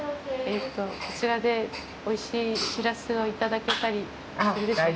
こちらでおいしいしらすをいただけたりするでしょうか。